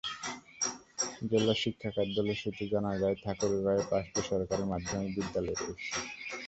জেলা শিক্ষা কার্যালয় সূত্রে জানা যায়, ঠাকুরগাঁওয়ে পাঁচটি সরকারি মাধ্যমিক বিদ্যালয় রয়েছে।